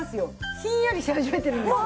ひんやりし始めてるんですよ。